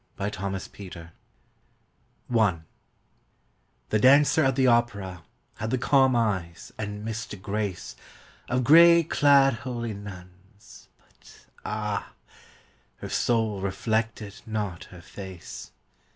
26 THE DANCER AT THE OPERA THE dancer at the opera Had the calm eyes and mystic grace Of gray clad holy nuns, but ah ! Her soul reflected not her face.